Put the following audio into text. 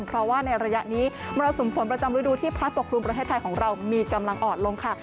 เพราะว่าในระยะนี้มรสุมฝนประจำฤดูที่พัดปกครุมประเทศไทยของเรามีกำลังอ่อนลงค่ะ